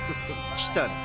来たな